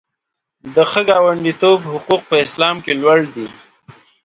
د ښه ګاونډیتوب حقوق په اسلام کې لوړ دي.